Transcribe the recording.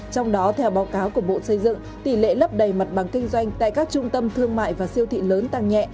trong đó theo báo cáo của bộ xây dựng tỷ lệ lấp đầy mặt bằng kinh doanh tại các trung tâm thương mại và siêu thị lớn tăng nhẹ